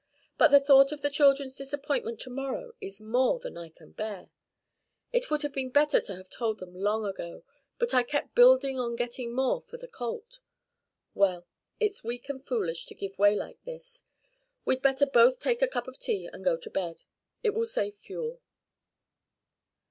But the thought of the children's disappointment tomorrow is more than I can bear. It would have been better to have told them long ago, but I kept building on getting more for the colt. Well, it's weak and foolish to give way like this. We'd better both take a cup of tea and go to bed. It will save fuel."